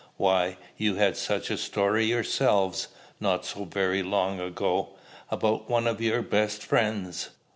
Why, you had such a story yourselves, not so very long ago, about one of your best friends!